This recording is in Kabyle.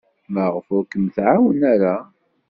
Maɣef ur kem-tɛawen ara?